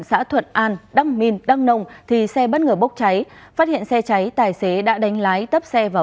xã thuận an đăng minh đăng nông thì xe bất ngờ bốc cháy phát hiện xe cháy tài xế đã đánh lái tấp xe vào